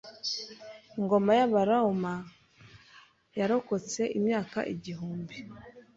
Ingoma y'Abaroma yarokotse imyaka igihumbi.